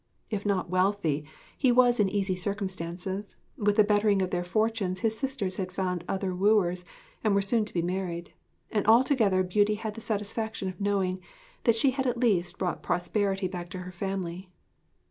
If not wealthy, he was in easy circumstances; with the bettering of their fortunes his sisters had found other wooers and were soon to be married; and altogether Beauty had the satisfaction of knowing that she had at least brought prosperity back to her family.